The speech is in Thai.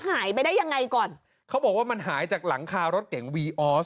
หายไปได้ยังไงก่อนเขาบอกว่ามันหายจากหลังคารถเก่งวีออส